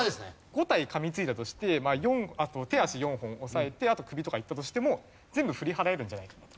５体噛みついたとして手足４本抑えてあと首とかいったとしても全部振り払えるんじゃないかと。